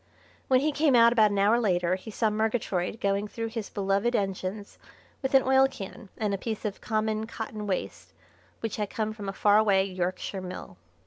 When he came out about an hour later he saw Murgatroyd going through his beloved engines with an oil can and a piece of common cotton waste which had come from a faraway Yorkshire mill.